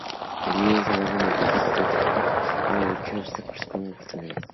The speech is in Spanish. El libro se basa en el ejercicio estoico de aprovechar los obstáculos como oportunidades.